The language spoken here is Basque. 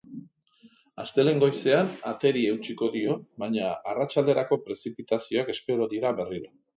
Astelehen goizean, ateri eutsiko dio, baina arratsalderako prezipitazioak espero dira berriro.